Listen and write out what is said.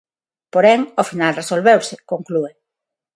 Porén, ao final resolveuse, conclúe.